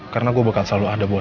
karena gue bakal selalu ada buat lo